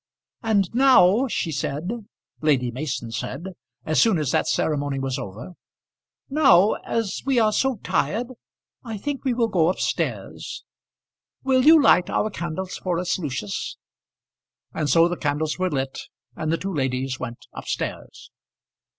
"And now," she said Lady Mason said as soon as that ceremony was over, "now as we are so tired I think we will go up stairs. Will you light our candles for us, Lucius?" And so the candles were lit, and the two ladies went up stairs.